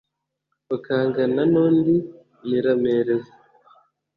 ukangana n’undi nyirampereza